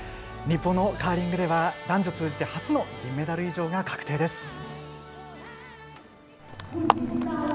日本のカーリングでは、男女通じて初の銀メダル以上が確定です。